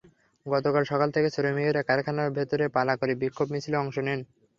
গতকাল সকাল থেকে শ্রমিকেরা কারখানার ভেতরে পালা করে বিক্ষোভ মিছিলে অংশ নেন।